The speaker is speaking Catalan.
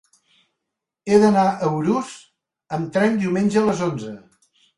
He d'anar a Urús amb tren diumenge a les onze.